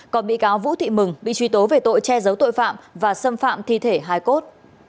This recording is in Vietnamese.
còn bị cáo vũ thị mừng bị truy tố về tội che giấu tội phạm và xâm phạm thi thể hai cốt